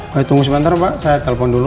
baik tunggu sebentar pak saya telepon dulu